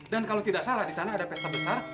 dan kalau tidak salah disana ada pesta besar